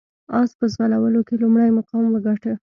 اس په ځغلولو کې لومړی مقام وګاټه.